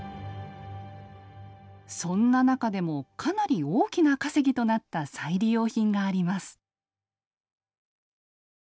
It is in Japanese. そんな中でもかなり大きな稼ぎとなった再利用品があります。